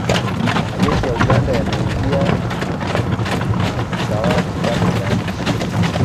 Majeshi ya Uganda yanaingia na kutawala kipande cha nchi